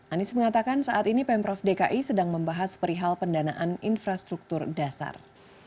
anies mengatakan saat ini pemprov dki sedang membahas perihal pendanaan infrastruktur dasar